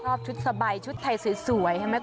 ชอบชุดสบายชุดไทยสวยใช่ไหม